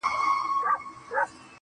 نابلده غل جومات ماتوي.